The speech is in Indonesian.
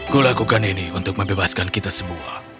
kulakukan ini untuk membebaskan kita semua